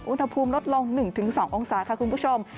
อุณหภูมิลดลง๑๒องศาค่ะคุณผู้ชม